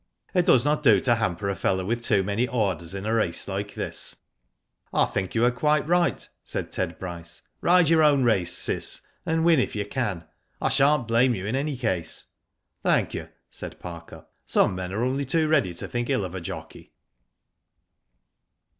It does not do to hamper a fellow with too many orders in a race like this." *' I think you are quite right," said Ted Bryce. " Ride your own race Cis, and win if you can. I shan't blame you in any case." " Thank you," said Parker. " Some men are only too ready to think ill of a jockey."